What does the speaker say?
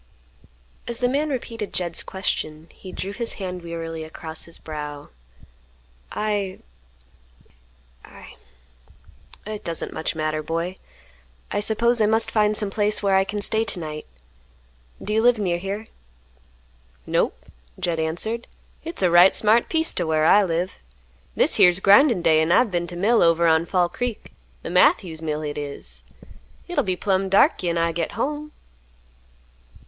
As the man repeated Jed's question, he drew his hand wearily across his brow; "I—I—it doesn't much matter, boy. I suppose I must find some place where I can stay to night. Do you live near here?" "Nope," Jed answered, "Hit's a right smart piece to whar I live. This here's grindin' day, an' I've been t' mill over on Fall Creek; the Matthews mill hit is. Hit'll be plumb dark 'gin I git home.